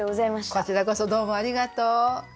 こちらこそどうもありがとう！